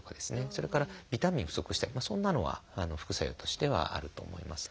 それからビタミン不足したりそんなのは副作用としてはあると思います。